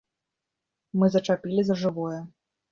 Мы зачапілі за жывое.